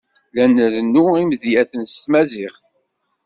La nrennu imedyaten s tmaziɣt.